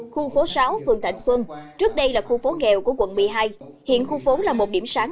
khu phố sáu phường thạnh xuân trước đây là khu phố nghèo của quận một mươi hai hiện khu phố là một điểm sáng